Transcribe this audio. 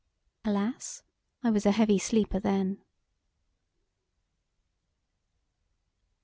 Alas? I was a heavy sleeper then.